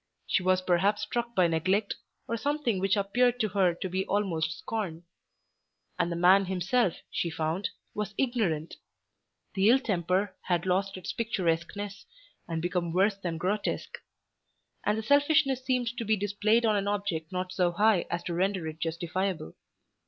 She was perhaps struck by neglect, or something which appeared to her to be almost scorn. And the man himself, she found, was ignorant. The ill temper had lost its picturesqueness, and become worse than grotesque. And the selfishness seemed to be displayed on an object not so high as to render it justifiable.